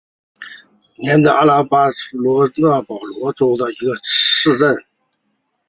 年德阿拉是巴西圣保罗州的一个市镇。